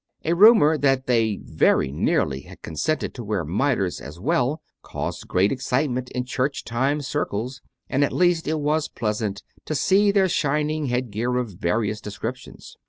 A rumour that they very nearly had consented to wear mitres as well caused great excitement in " Church Times" circles, and at CONFESSIONS OF A CONVERT 53 least it was pleasant to see their shining head gear of various descriptions.